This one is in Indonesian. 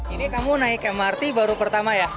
ini kamu naik mrt baru pertama ya